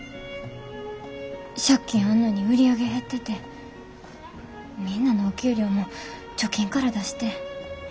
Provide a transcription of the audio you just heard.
借金あんのに売り上げ減っててみんなのお給料も貯金から出して。